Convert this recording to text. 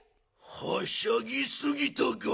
はしゃぎすぎたガン。